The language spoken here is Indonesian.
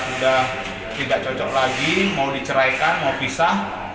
sehingga mereka sudah tidak cocok lagi mau diceraikan mau pisah